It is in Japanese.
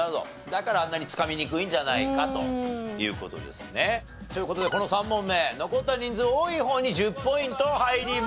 だからあんなにつかみにくいんじゃないかという事ですね。という事でこの３問目残った人数多い方に１０ポイント入ります。